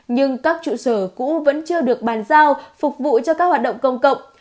nhưng các trụ sở cũ vẫn chưa được bàn giao phục vụ cho các hoạt động công cộng